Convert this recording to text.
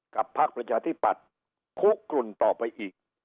กับพักพลังประชาธิบัตรคุกกลุ่นต่อไปอีก